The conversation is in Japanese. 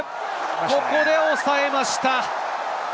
ここでおさえました！